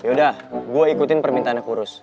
yaudah gue ikutin permintaan kurus